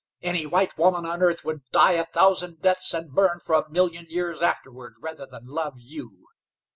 "Any white woman on earth would die a thousand deaths and burn for a million years afterward rather than love you!"